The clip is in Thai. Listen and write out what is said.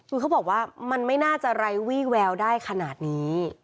คือเขาบอกว่ามันไม่น่าจะไร้วี่แววได้ขนาดนี้